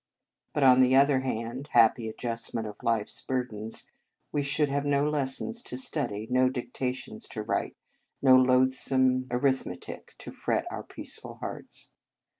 But on the other hand, happy adjustment of life s burdens^ we should have no lessons to study, no dictations to write, no loathsome arithmetic to fret our peaceful hearts.